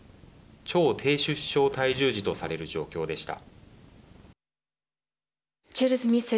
超低出生体重児とされる状況でした。